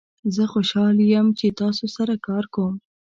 زه خوشحال یم چې تاسو سره کار کوم.